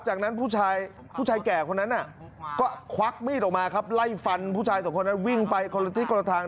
จากนั้นผู้ชายผู้ชายแก่คนนั้นก็ควักมีดออกมาครับไล่ฟันผู้ชายสองคนนั้นวิ่งไปคนละทิศคนละทาง